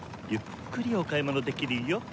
ゆっくりお買い物できるよ。